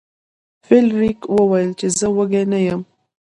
فلیریک وویل چې زه وږی نه یم.